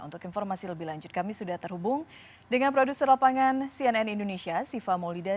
untuk informasi lebih lanjut kami sudah terhubung dengan produser lapangan cnn indonesia siva maulida